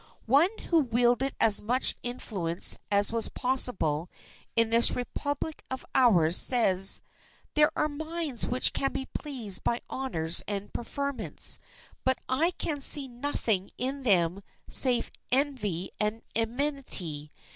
One who wielded as much influence as was possible in this republic of ours says: "There are minds which can be pleased by honors and preferments, but I can see nothing in them save envy and enmity.